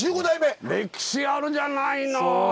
歴史あるじゃないの。